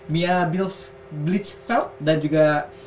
mia blitzfeldt dan juga